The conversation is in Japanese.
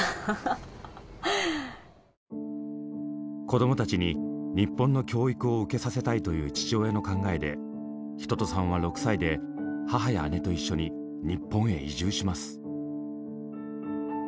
子どもたちに日本の教育を受けさせたいという父親の考えで一青さんは６歳で母や姉と一緒に日本へ移住します。